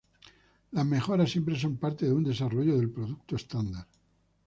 Las mejoras siempre son parte de un desarrollo del producto estándar.